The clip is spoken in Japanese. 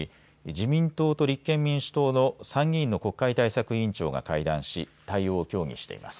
自民党と立憲民主党の参議院の国会対策委員長が会談し対応を協議しています。